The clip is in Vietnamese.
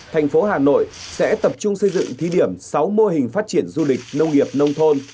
thành phố hà nội sẽ tập trung xây dựng thí điểm sáu mô hình phát triển du lịch nông nghiệp nông thôn